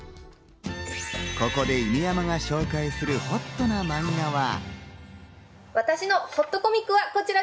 ここで犬山が紹介する、ほっとなマンガは。